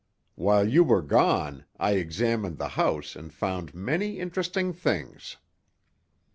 While you were gone I examined the house and found many interesting things.